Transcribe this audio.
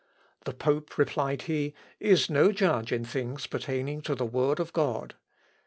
"The pope," replied he, "is no judge in things pertaining to the Word of God.